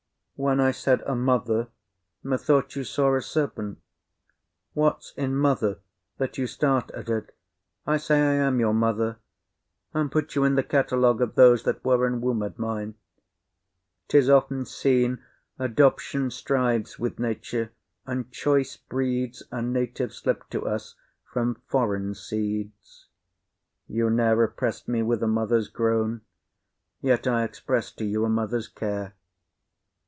When I said a mother, Methought you saw a serpent. What's in mother, That you start at it? I say I am your mother, And put you in the catalogue of those That were enwombed mine. 'Tis often seen Adoption strives with nature, and choice breeds A native slip to us from foreign seeds. You ne'er oppress'd me with a mother's groan, Yet I express to you a mother's care.